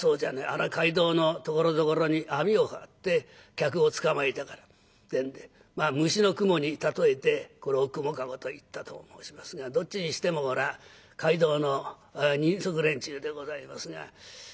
あら街道のところどころに網を張って客をつかまえたからってんで虫の蜘蛛に例えてこれを蜘蛛駕籠といったと申しますがどっちにしてもこれは街道の人足連中でございますが。